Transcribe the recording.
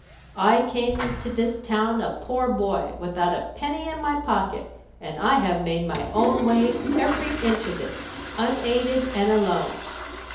"I came into this town a poor boy, without a penny in my pocket, and I have made my own way, every inch of it, unaided and alone.